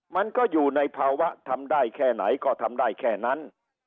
มันก็อยู่ในภาวะทำได้แค่ไหนก็ทำได้แค่นั้น